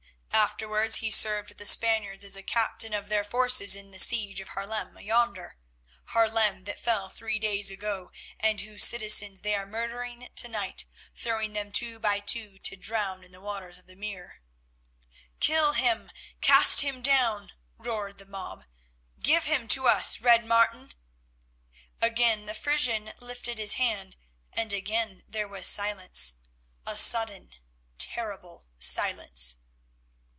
Afterwards he served with the Spaniards as a captain of their forces in the siege of Haarlem yonder—Haarlem that fell three days ago, and whose citizens they are murdering to night, throwing them two by two to drown in the waters of the Mere." "Kill him! Cast him down!" roared the mob. "Give him to us, Red Martin." Again the Frisian lifted his hand and again there was silence; a sudden, terrible silence.